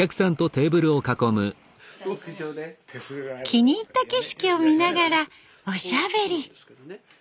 気に入った景色を見ながらおしゃべり。